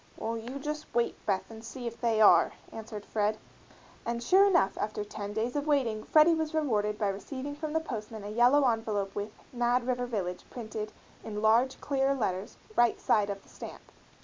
"Well, you just wait, Beth, and see if they are," answered Fred; and sure enough, after ten days of waiting Freddie was rewarded by receiving from the postman a yellow envelope with "Mad River Village" printed in large, clear letters "right side of the stamp."